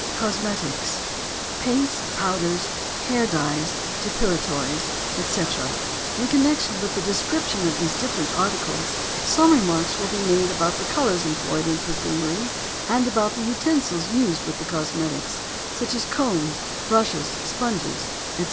COSMETICS. Paints, powders, hair dyes, depilatories, etc. In connection with the description of these different articles some remarks will be made about the colors employed in perfumery and about the utensils used with the cosmetics, such as combs, brushes, sponges, etc.